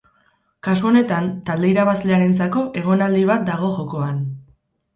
Kasu honetan, talde irabazlearentzako egonaldi bat dago jokoan.